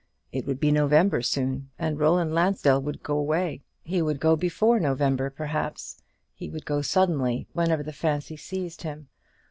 It would be November soon, and Roland Lansdell would go away. He would go before November, perhaps: he would go suddenly, whenever the fancy seized him.